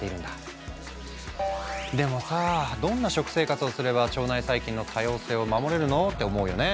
でもさあどんな食生活をすれば腸内細菌の多様性を守れるの？って思うよね。